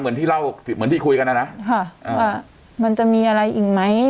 เหมือนที่เล่าเหมือนที่คุยกันนะนะว่ามันจะมีอะไรอีกไหม